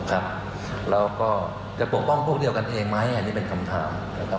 แล้วก็จะปกป้องพวกเดียวกันเองไหมอันนี้เป็นคำถามนะครับ